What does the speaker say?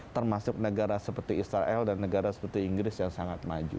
termasuk negara seperti israel dan negara seperti inggris yang sangat maju